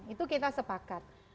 itu kita sepakat